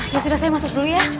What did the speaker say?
ya sudah saya masuk dulu ya